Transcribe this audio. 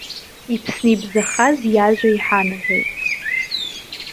Иԥсны ибзахаз иажәа иҳанаҳәоит.